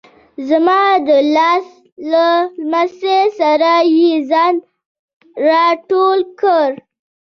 زما د لاس له لمس سره یې ځان را ټول کړ.